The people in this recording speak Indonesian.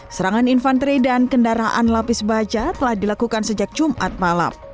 serangan infanteri dan kendaraan lapis baja telah dilakukan sejak jumat malam